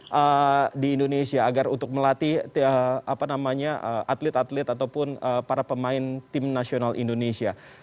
apa di indonesia agar untuk melatih atlet atlet ataupun para pemain tim nasional indonesia